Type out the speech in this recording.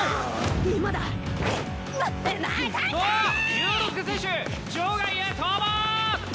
竜之介選手場外へ逃亡！